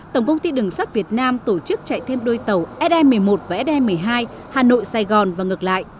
tổng công ty đường sắt việt nam tổ chức chạy thêm đôi tàu se một mươi một và se một mươi hai hà nội sài gòn và ngược lại